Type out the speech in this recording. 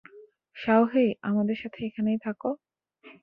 শাওহেই, আমাদের সাথে এখানেই থাকো?